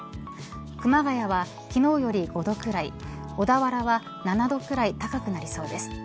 熊谷は昨日より５度ぐらい小田原は７度ぐらい高くなりそうです。